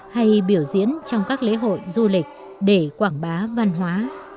hay biểu diễn trong các lễ hội du lịch để quảng bá văn hóa